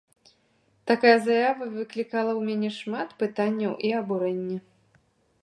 Такая заява выклікала ў мяне шмат пытанняў і абурэнне.